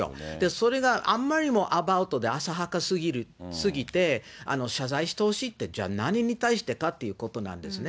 それがあんまりにもアバウトで、浅はかすぎて、謝罪してほしいって、じゃあ、何に対してかということなんですね。